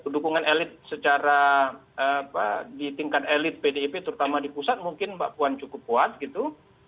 dukungan elit secara di tingkat elit pdip terutama di pusat mungkin mbak puan cukup kuat gitu